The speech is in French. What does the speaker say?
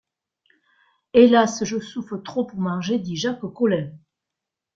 Hélas! je souffre trop pour manger, dit Jacques Collin.